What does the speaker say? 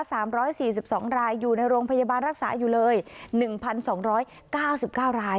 สามร้อยสี่สิบสองรายอยู่ในโรงพยาบาลรักษาอยู่เลยหนึ่งพันสองร้อยเก้าสิบเก้าราย